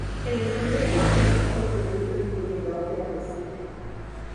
En los proyectos a los que ha contribuido incluyen la Ópera de Sídney.